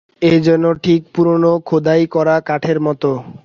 এ যেন ঠিক পুরনো খোদাই করা কাঠের মতো।